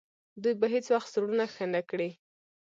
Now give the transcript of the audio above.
دوی به هیڅ وخت زړونه ښه نه کړي.